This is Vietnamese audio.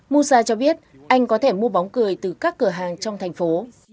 mosa cho biết anh có thể mua bóng cười từ các cửa hàng trong thành phố